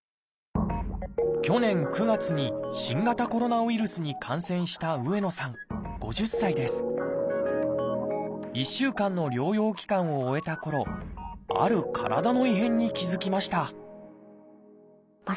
去年９月に新型コロナウイルスに感染した１週間の療養期間を終えたころある体の異変に気付きました